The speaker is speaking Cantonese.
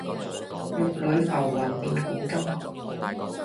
玉壘浮雲變古今。